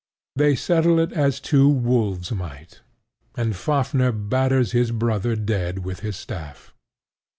They settle it as two wolves might; and Fafnir batters his brother dead with his staff.